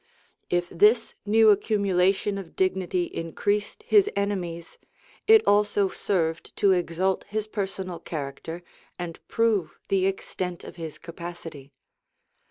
If this new accumulation of dignity increased his enemies, it also served to exalt his personal character, and prove the extent of his capacity.